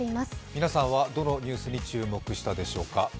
皆さんはどのニュースに注目したでしょうか？